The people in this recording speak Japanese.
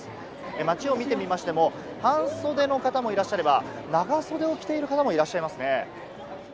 街を見てみましても、半袖の方もいらっしゃれば、長袖を着ている方もいらっしゃいますね。